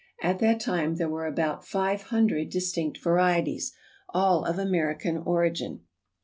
At that time there were about five hundred distinct varieties, all of American origin.